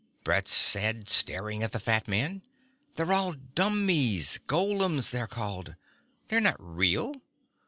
Brett said, staring at the fat man. "They're all dummies; golems, they're called. They're not real."